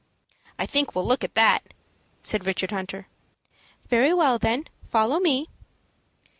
"I think we'll look at that," said Richard Hunter. "Very well, then follow me."